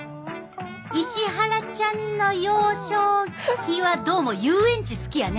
石原ちゃんの幼少期はどうも遊園地好きやね